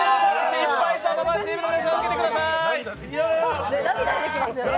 失敗した馬場チームの皆さん、受けてください。